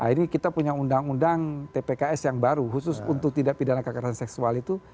ini kita punya undang undang tpks yang baru khusus untuk tidak pidana kekerasan seksual itu